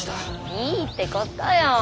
いいってことよ。